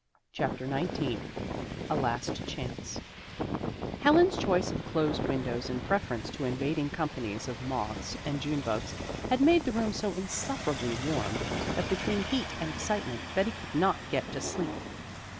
CHAPTER XIX A LAST CHANCE Helen's choice of closed windows in preference to invading companies of moths and June bugs had made the room so insufferably warm that between heat and excitement Betty could not get to sleep.